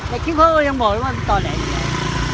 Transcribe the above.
ในคลิปเขาก็ยังบอกว่าต่อแล้วอยู่แล้ว